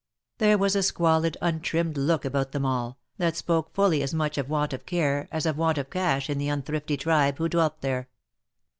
There was a squalid, untrimmed look about them all, that spoke fully as much of want of care, as of want of cash in the unthrifty tribe who dwelt there.